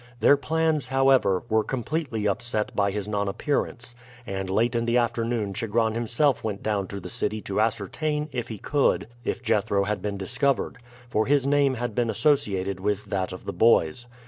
Their plans, however, were completely upset by his nonappearance, and late in the afternoon Chigron himself went down into the city to ascertain, if he could, if Jethro had been discovered, for his name had been associated with that of the boys.